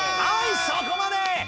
はいそこまで。